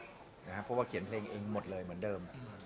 เพราะว่าเขียนเพลงเองหมดเลยเหมือนเดิม